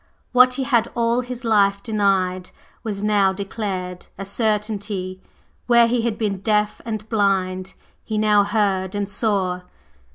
What he had all his life denied was now declared a certainty; where he had been deaf and blind, he now heard and saw.